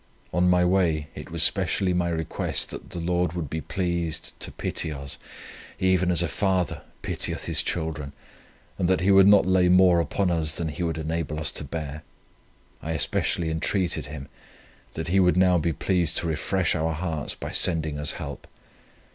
On my way it was specially my request that the Lord would be pleased to pity us, even as a father pitieth his children, and that He would not lay more upon us than He would enable us to bear, I especially entreated Him that He would now be pleased to refresh our hearts by sending us help.